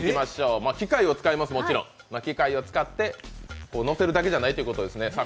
機械は使います、もちろん機械を使ってのせるだけじゃないということです。